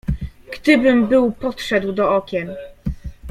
"Gdybym był podszedł do okien!"